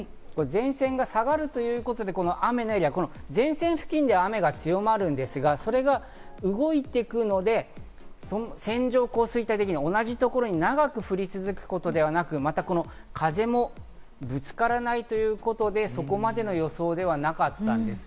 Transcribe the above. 前線が下がるということで、雨のエリア、前線付近で雨が強まるんですが、それが動いていくので、線状降水帯的には同じところに長く降り続くことではなく、風もぶつからないということで、そこまでの予想ではなかったんです。